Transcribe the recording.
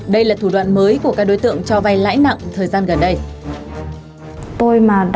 đây là thủ đoạn mới của các đối tượng cho vay lãi nặng thời gian gần đây